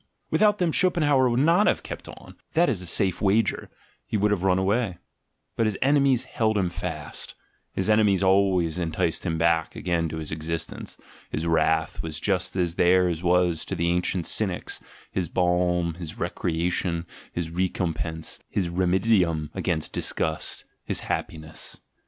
Without them Schopenhauer would not have "kept on," that is a safe wager; he would have run away: but his enemies held him fast, his enemies always enticed him back again to existence, his wrath was just as theirs was to the ancient Cynics, his balm, his recrea tion, his recompense, his remcd'nim against disgust, his liappiness.